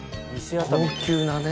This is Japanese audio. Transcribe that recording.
高級なね